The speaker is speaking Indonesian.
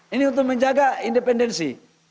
ini untuk menjaga independensi